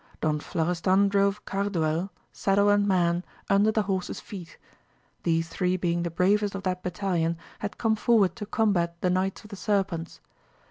Don Florestan drove Carduel, saddle and man, under the horses' feet : these three being the bravest of that battalion had come forward to combat the Knights of the Ser pents.